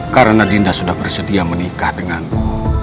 karena dinda sudah bersedia menikah denganku